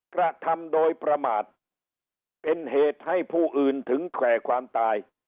กระทำโดยประมาทเป็นเหตุให้ผู้อื่นถึงแก่ความตาย